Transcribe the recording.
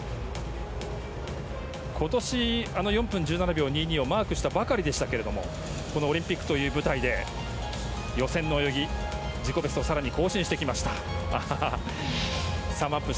今年４分１７秒２２をマークしたばかりでしたけれどもオリンピックという舞台の予選の泳ぎで自己ベストを更に更新してきました。